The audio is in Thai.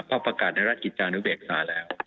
ก็ประกาศในราชกิจจานุเบกษาแล้ว